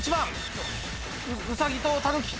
うさぎとたぬき。